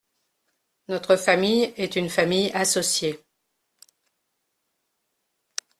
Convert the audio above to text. Notre famille est une famille associée.